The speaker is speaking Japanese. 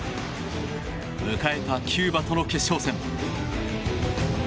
迎えたキューバとの決勝戦。